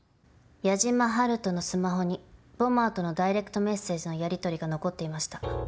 矢島ハルトのスマホにボマーとのダイレクトメッセージのやり取りが残っていました。